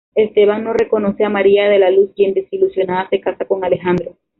Esteban no reconoce a María de la Luz quien desilusionada se casa con Alejandro.